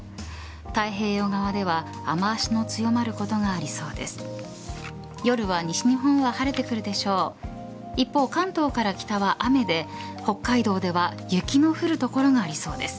太平洋側では雨脚の強まることがありそうです。